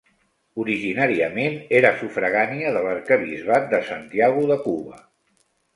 Originàriament era sufragània de l'arquebisbat de Santiago de Cuba.